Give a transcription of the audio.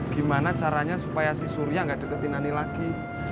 gimana caranya supaya si surya nggak deketin ani lagi